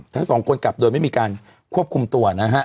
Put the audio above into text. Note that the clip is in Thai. ทั้งสองคนกลับโดยไม่มีการควบคุมตัวนะฮะ